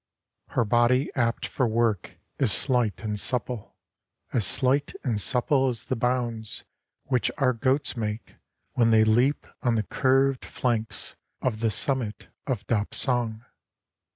Her body apt for work is slight and supple. As slight and supple as the bounds Which our goats make, when they leap On the curved flanks of the summit of Dapsang.